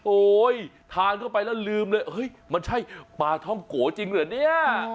ทานเข้าไปแล้วลืมเลยเฮ้ยมันใช่ปลาท่องโกจริงเหรอเนี่ย